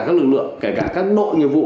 các lực lượng kể cả các nội nhiệm vụ